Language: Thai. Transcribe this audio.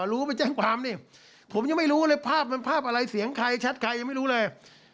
รู้ไปแจ้งความนี่ผมยังไม่รู้เลยภาพมันภาพอะไรเสียงใครแชทใครยังไม่รู้เลย